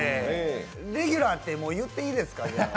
レギュラーってもう言ってもいいですか。